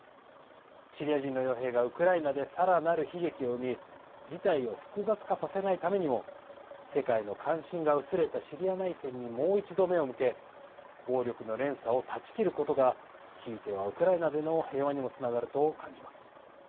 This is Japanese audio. シリア人のよう兵がウクライナでさらなる悲劇を生み事態を複雑化させないためにも世界の関心が薄れたシリア内戦にもう一度、目を向け暴力の連鎖を断ち切ることがひいてはウクライナでの平和にもつながると感じます。